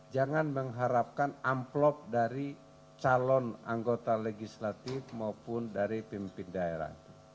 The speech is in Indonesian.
jangan mengharapkan amplop dari calon anggota legislatif maupun dari pemimpin daerah